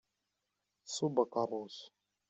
Tṣubb aqerru-s.